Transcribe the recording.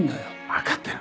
分かってる。